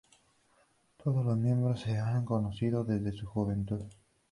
Todos los miembros se han conocido desde su juventud.